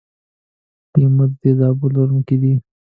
لیمو د تیزابونو لرونکی دی.